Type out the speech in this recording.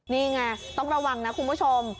นี่ไงต้องระวังนะคุณผู้ชม